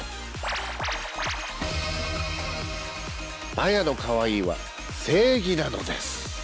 マヤのかわいいは正義なのです。